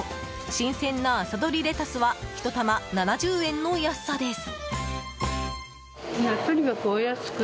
新鮮な朝採りレタスは１玉７０円の安さです。